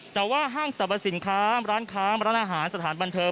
แต่ว่าห้างสรรพสินค้าร้านค้าร้านอาหารสถานบันเทิง